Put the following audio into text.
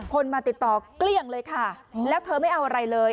คนมาติดต่อเกลี้ยงเลยค่ะแล้วเธอไม่เอาอะไรเลย